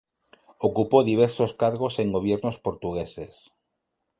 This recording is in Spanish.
Ocupó diversos cargos en gobiernos portugueses.